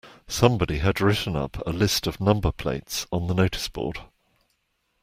Somebody had written up a list of number plates on the noticeboard